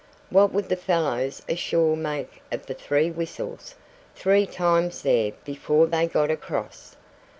What would the fellows ashore make of the three whistles three times there before they got across?